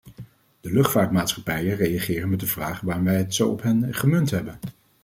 De luchtvaartmaatschappijen reageren met de vraag waarom wij het zo op hen gemunt hebben.